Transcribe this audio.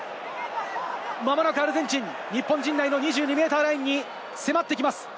まもなくアルゼンチン、日本陣内の２２ｍラインに迫ってきます。